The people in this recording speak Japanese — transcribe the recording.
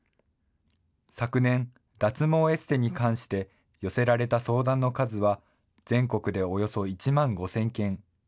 昨年、脱毛エステに関して寄せられた相談の数は、全国でおよそ１万５０００件。